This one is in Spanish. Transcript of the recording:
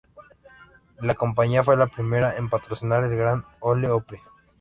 La compañía fue la primera en patrocinar el Grand Ole Opry.